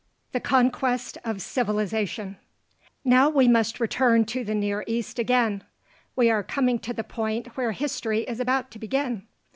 THE Conquest of Civilization Now we must return to the Near East again. We are coming to the point where history is about to begin.